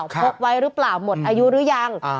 พกไว้หรือเปล่าหมดอายุหรือยัง